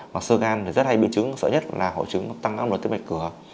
và sơ gan thì rất hay biến chứng sợ nhất là hội chứng tăng áp nổi tí mạch cửa